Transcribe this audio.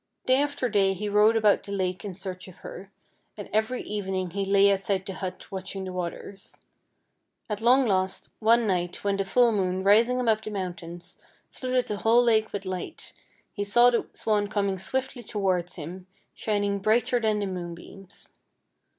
Day after day he rowed about the lake in search of her, and every evening he lay outside the hut watching the waters. At long last, one night, when the full moon, rising above the mountains, flooded the 26 FAIRY TALES whole lake with light, he saw the swan coining swiftly towards him, shining brighter than the moonbeams.